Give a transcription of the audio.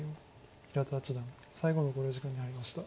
平田八段最後の考慮時間に入りました。